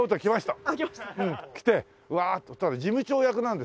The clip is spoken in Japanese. きてわあってそしたら事務長役なんですよ。